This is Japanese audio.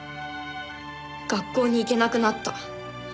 学校に行けなくなった。